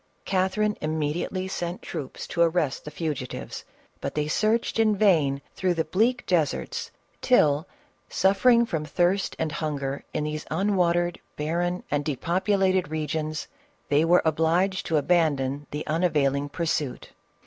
Catherine immediately sent troops to arrest the fugitives, but they searched in vain through the bleak deserts, till, suffering from CATHERINE OF RUSSIA. 425 thirst and hunger in these unwatered, barren, and de populated regions, they were obliged to abandon the unavailing pursuit.